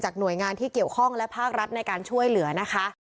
หน่วยงานที่เกี่ยวข้องและภาครัฐในการช่วยเหลือนะคะ